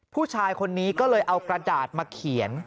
ผู้ชายคนนี้ก็เลยเอากระดาษมาเขียน